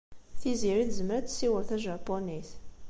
Tiziri tezmer ad tessiwel tajapunit.